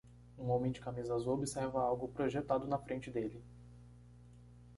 Um homem de camisa azul observa algo projetado na frente dele.